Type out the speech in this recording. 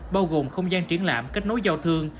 bao gồm không gian triển lãm kết nối giao thương